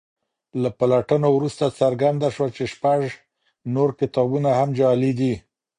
له پلټنو وروسته څرګنده شوه چې شپږ نور کتابونه هم جعلي دي.